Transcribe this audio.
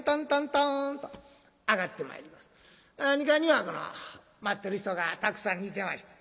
２階には待ってる人がたくさんいてました。